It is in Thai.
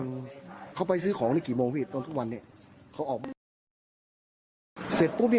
หืือเขาไปซื้อของได้กี่โมงพี่ต้นทุกวันนี้เขาออกบ้านไป